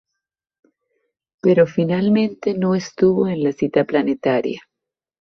Pero finalmente no estuvo en la cita planetaria.